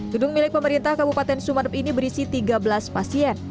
gedung milik pemerintah kabupaten sumeneb ini berisi tiga belas pasien